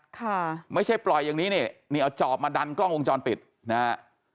ค่ะไม่ใช่ปล่อยอย่างนี้นี่นี่เอาจอบมาดันกล้องวงจรปิดนะฮะ